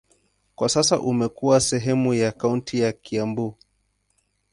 Kwa sasa imekuwa sehemu ya kaunti ya Kiambu.